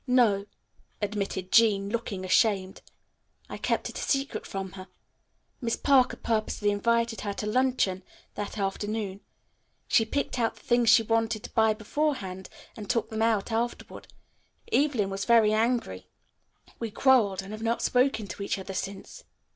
"No," admitted Jean, looking ashamed. "I kept it a secret from her. Miss Parker purposely invited her to luncheon that afternoon. She picked out the things she wanted to buy beforehand and took them out afterward. Evelyn was very angry. We quarreled, and have not spoken to each other since.